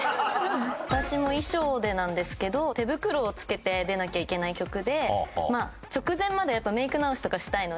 私も衣装でなんですけど手袋を着けて出なきゃいけない曲で直前までやっぱメイク直しとかしたいので。